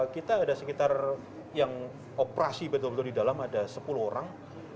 kita ada sekitar yang operasi betul betul di dalam ada sepuluh orang